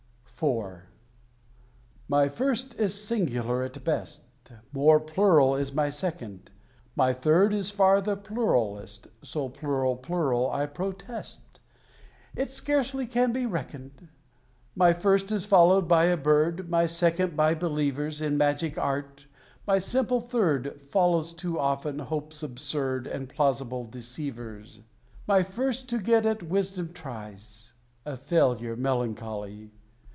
IV. My First is singular at best: More plural is my Second: My Third is far the pluralest So plural plural, I protest It scarcely can be reckoned! My First is followed by a bird: My Second by believers In magic art: my simple Third Follows, too often, hopes absurd And plausible deceivers. My First to get at wisdom tries A failure melancholy!